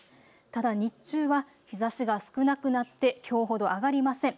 ただ、日中は日ざしが少なくなってきょうほど上がりません。